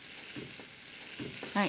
はい。